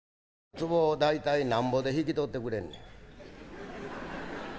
「つぼ大体何ぼで引き取ってくれんねん？」。